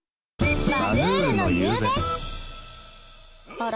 あら？